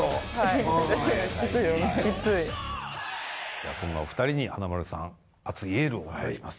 じゃあそんなお二人に華丸さん熱いエールをお願いします。